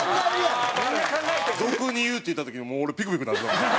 「俗に言う」って言った時にもう俺ピクピクなってた。